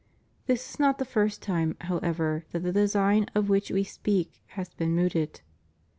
This is not the first time, however, that the design of which We speak has been mooted.